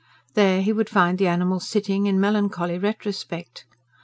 There he would find the animal sitting, in melancholy retrospect.